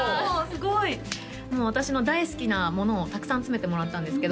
もう私の大好きなものをたくさん詰めてもらったんですけど